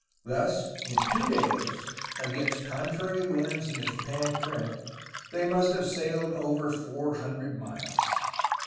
Thus in two days, against contrary winds and the Japan Current, they must have sailed over four hundred miles!